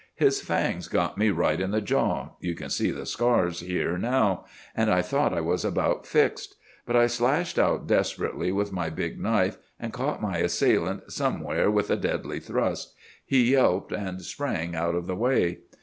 His fangs got me right in the jaw,—you can see the scars here now,—and I thought I was about fixed. But I slashed out desperately with my big knife, and caught my assailant somewhere with a deadly thrust. He yelped, and sprang out of the way.